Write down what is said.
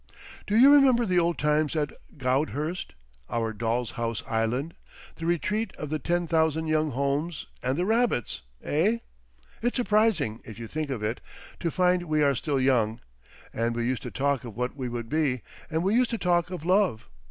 Do you remember the old times at Goudhurst, our doll's house island, the Retreat of the Ten Thousand Young Holmes and the rabbits, eh? It's surprising, if you think of it, to find we are still young. And we used to talk of what we would be, and we used to talk of love!